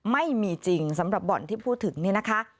ไม่มีจริงสำหรับบ่อนที่พูดถึงเนี่ยนะคะ